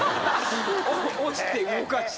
押して動かして。